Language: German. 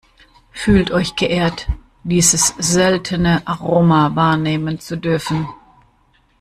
Fühlt euch geehrt, dieses seltene Aroma wahrnehmen zu dürfen!